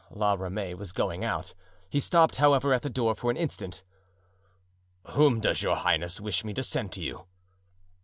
La Ramee was going out. He stopped, however, at the door for an instant. "Whom does your highness wish me to send to you?"